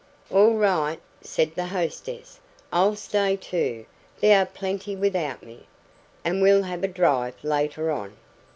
"All right," said the hostess, "I'll stay too there are plenty without me and we'll have a drive later on."